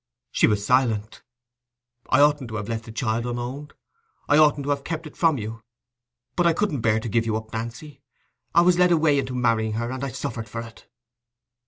She was silent. "I oughtn't to have left the child unowned: I oughtn't to have kept it from you. But I couldn't bear to give you up, Nancy. I was led away into marrying her—I suffered for it."